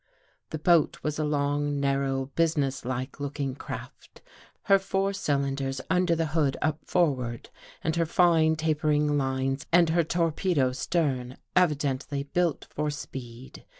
The boat was a long, narrow, business like look ing craft, her four cylinders under the hood up for ward and her fine tapering lines and her torpedo stern, evidently built for speed.